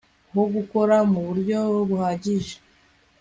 wo gukora mu buryo buhagije